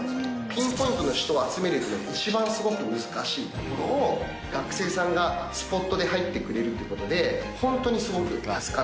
ピンポイントの人を集めるっていう一番すごく難しいところを学生さんがスポットで入ってくれるという事でホントにすごく助かってる。